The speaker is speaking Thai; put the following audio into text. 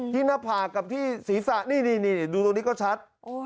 พี่หน้าพากับพี่ศรีศะนี่ดูตรงนี้ก็ชัด